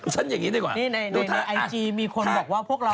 ฉันอย่างนี้ดีกว่าดูทางอาจารย์นี่ในไอจีมีคนบอกว่าพวกเรา